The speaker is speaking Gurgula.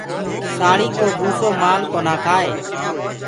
ساݪينٚ ڪو بوُسو مآل ڪونآ کآئي۔